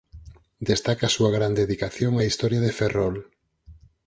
Destaca a súa gran dedicación á historia de Ferrol.